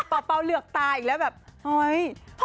แล้วเหลือกตายแล้วแบบโอ๊ย